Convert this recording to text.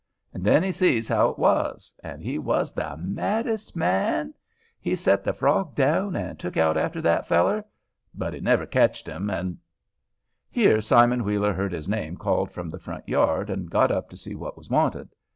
And then he see how it was, and he was the maddest man—he set the frog down and took out after that feller, but he never ketched him. And—— (Here Simon Wheeler heard his name called from the front yard, and got up to see what was wanted.)